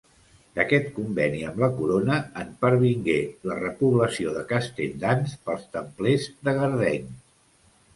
D'aquest conveni amb la corona en pervingué la repoblació de Castelldans pels Templers de Gardeny.